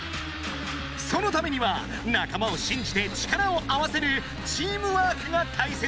そのためには仲間を信じて力を合わせるチームワークが大切だ！